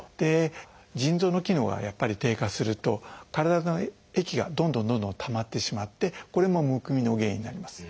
腎臓の機能がやっぱり低下すると体の液がどんどんどんどんたまってしまってこれもむくみの原因になります。